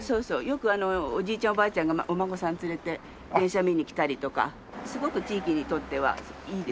よくおじいちゃんおばあちゃんがお孫さん連れて電車見に来たりとか。すごく地域にとってはいいですよ。